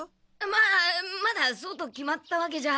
まあまだそうと決まったわけじゃ。